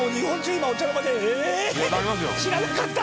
今お茶の間で「えーっ！？知らなかった！」